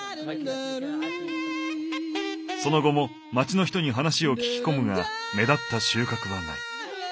その後も町の人に話を聞き込むが目立った収穫はない。